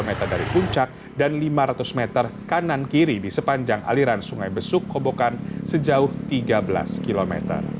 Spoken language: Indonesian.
lima meter dari puncak dan lima ratus meter kanan kiri di sepanjang aliran sungai besuk kobokan sejauh tiga belas km